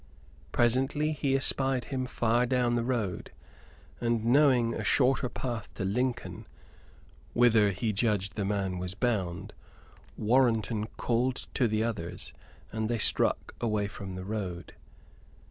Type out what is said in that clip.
Presently he espied him far down the road; and, knowing a shorter path to Lincoln, whither he judged the man was bound, Warrenton called to the others and they struck away from the road.